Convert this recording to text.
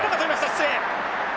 失礼。